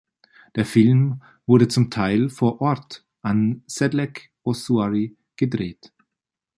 Der Film wurde zum Teil vor Ort am Sedlec Ossuary gedreht.